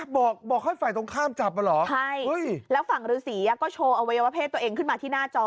บอกบอกให้ฝ่ายตรงข้ามจับมาเหรอใช่แล้วฝั่งฤษีก็โชว์อวัยวะเพศตัวเองขึ้นมาที่หน้าจอ